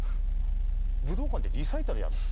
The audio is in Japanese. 武道館でリサイタルやるの？